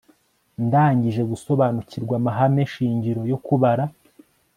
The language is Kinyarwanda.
ndangije gusobanukirwa amahame shingiro yo kubara